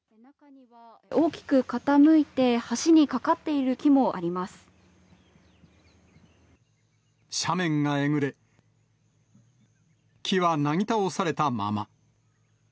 大きく傾いて橋にかかってい斜面がえぐれ、木はなぎ倒されたまま。